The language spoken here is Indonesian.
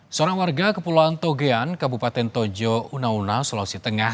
seorang warga kepulauan togean kabupaten tojo unauna sulawesi tengah